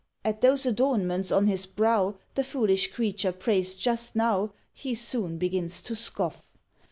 At those adornments on his brow The foolish creature praised just now He soon begins to scoff.